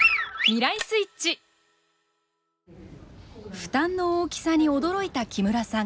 負担の大きさに驚いた木村さん。